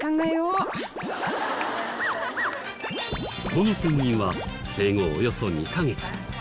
このペンギンは生後およそ２カ月。